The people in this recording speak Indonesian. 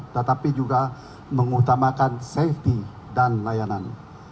tetapi juga mengutamakan safety dan layanan